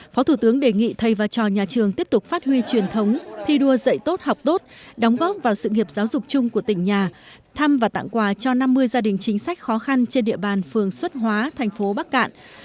phó thủ tướng đề nghị thầy và trò nhà trường tiếp tục phát huy truyền thống thi đua dạy tốt học tốt đóng góp vào sự nghiệp giáo dục chung của tỉnh nhà thăm và tặng quà cho năm mươi gia đình chính sách khó khăn trên địa bàn phường xuất hóa thành phố bắc cạn